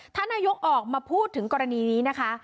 ท่านนายกออกมาพูดถึงกรณีนี้นะคะ